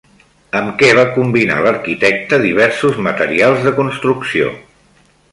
Amb què va combinar l'arquitecte diversos materials de construcció?